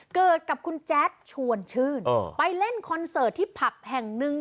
เกิดกับคุณแจ๊ดชวนชื่นไปเล่นคอนเสิร์ตที่ผับแห่งหนึ่ง